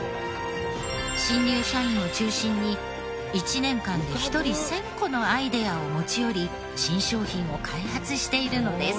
新入社員を中心に１年間で１人１０００個のアイデアを持ち寄り新商品を開発しているのです。